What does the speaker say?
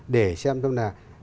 để xem trong là